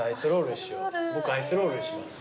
僕アイスロールにします。